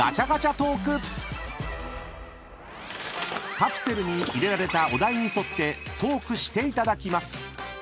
［カプセルに入れられたお題に沿ってトークしていただきます］